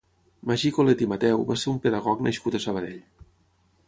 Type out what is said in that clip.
Magí Colet i Mateu va ser un pedagog nascut a Sabadell.